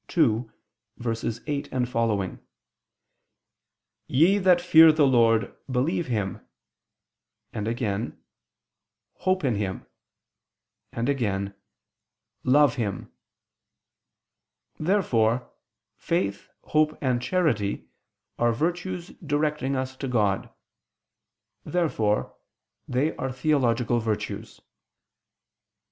2:8, seqq.): "Ye that fear the Lord believe Him," and again, "hope in Him," and again, "love Him." Therefore faith, hope, and charity are virtues directing us to God. Therefore they are theological virtues.